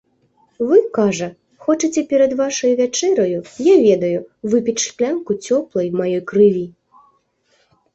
Вы, кажа, хочаце перад вашаю вячэраю, я ведаю, выпіць шклянку цёплай маёй крыві.